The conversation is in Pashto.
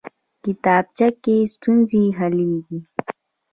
کتابچه کې ستونزې حلېږي